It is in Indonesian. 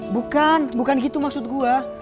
bukan bukan itu maksud gue